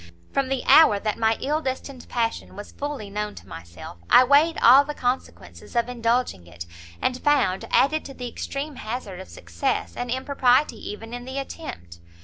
From the hour that my ill destined passion was fully known to myself, I weighed all the consequences of indulging it, and found, added to the extreme hazard of success, an impropriety even in the attempt.